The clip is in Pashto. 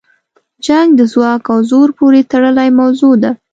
جنګ د ځواک او زوره پورې تړلې موضوع ده.